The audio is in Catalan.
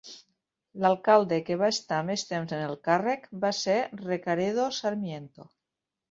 L'alcalde que va estar més temps en el càrrec va ser Recaredo Sarmiento.